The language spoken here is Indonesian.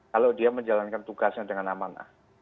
kalau dia menjalankan tugasnya dengan amanah